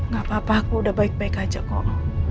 gak apa apa aku udah baik baik aja kok